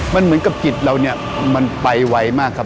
มันเหมือนกับจิตเราเนี่ยมันไปไวมากครับ